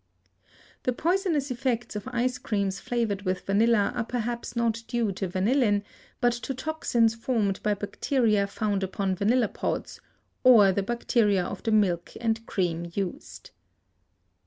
The poisonous effects of ice creams flavored with vanilla are perhaps not due to vanillin, but to toxins formed by bacteria found upon vanilla pods, or the bacteria of the milk and cream used.